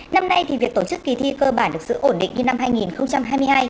năm nay thì việc tổ chức kỳ thi cơ bản được giữ ổn định như năm hai nghìn hai mươi hai